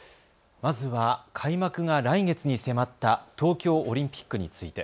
まずは開幕が来月に迫った東京オリンピックについて。